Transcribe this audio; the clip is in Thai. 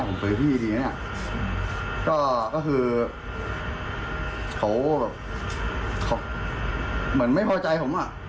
ก็คือเขาเหมือนไม่พอใจผม